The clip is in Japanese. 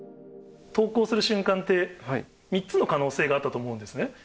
投稿する瞬間って、３つの可能性があったと思うんですね。